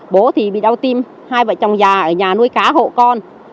bố thì bị đau tim hai vợ chồng già ở nhà nuôi cá hộ con